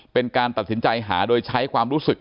เป็นการตัดสินใจหาโดยใช้ความรู้สึก